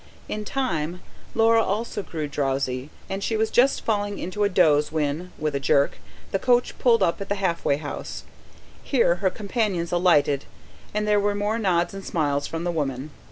In time, Laura also grew drowsy, and she was just falling into a doze when, with a jerk, the coach pulled up at the "Halfway House." Here her companions alighted, and there were more nods and smiles from the woman.